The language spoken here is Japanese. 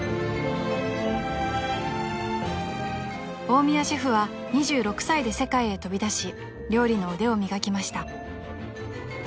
［大宮シェフは２６歳で世界へ飛び出し料理の腕を磨きました］